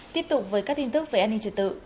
tiếp tục với các tin tức về an ninh trật tự